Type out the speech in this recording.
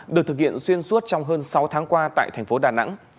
được thực hiện xuyên suốt trong hơn sáu tháng qua tại tp đà nẵng